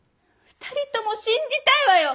２人とも信じたいわよ！